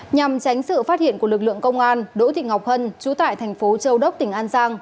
nhằm tránh sự phát hiện của lực lượng công an đỗ thị ngọc hân chú tại thành phố châu đốc tỉnh an giang